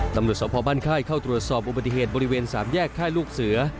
ตำรวจสภบ้านค่ายเข้าตรวจสอบอุบัติเหตุบริเวณสามแยกค่ายลูกเสือ